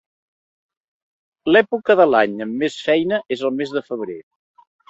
L'època de l'any amb més feina és el mes de febrer.